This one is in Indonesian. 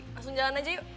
langsung jalan aja yuk